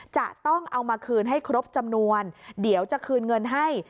จะต้องเอามาคืนให้ครบจำนวนเดี๋ยวจะคืนเงินให้